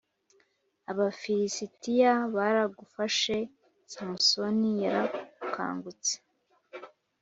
Abafilisitiya baragufashe Samusoni yarakangutse